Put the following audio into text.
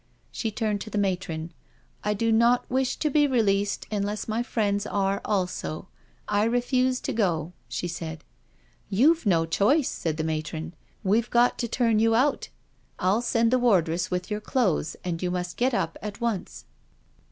She turned to the matron: " I do not wish to be released unless my friends are also— I refuse to go," she said. " You've no choice," said the matron. " We've got to turn you out. I'll send the wardress with your clothes, you must get up at once."